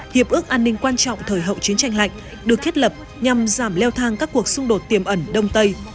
hiệp ước an ninh quan trọng thời hậu chiến tranh lạnh được thiết lập nhằm giảm leo thang các cuộc xung đột tiềm ẩn đông tây